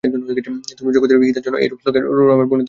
তুমি জগতের হিতের জন্য এইরূপ শ্লোকে রামের চরিত বর্ণনা কর।